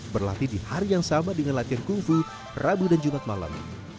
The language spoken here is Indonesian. berlatih di hari yang sama dengan latihan kungfu rabu dan jumat malam